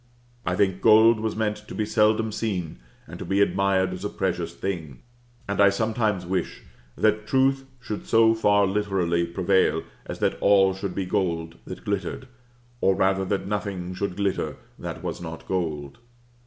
I think gold was meant to be seldom seen and to be admired as a precious thing; and I sometimes wish that truth should so far literally prevail as that all should be gold that glittered, or rather that nothing should glitter that was not gold.